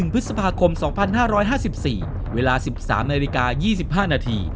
พฤษภาคม๒๕๕๔เวลา๑๓นาฬิกา๒๕นาที